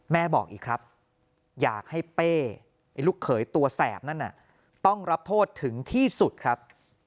บอกอีกครับอยากให้เป้ลูกเขยตัวแสบนั่นต้องรับโทษถึงที่สุดครับ